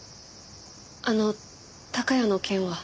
あの孝也の件は？